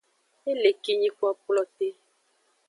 E le kinyi kplokplote.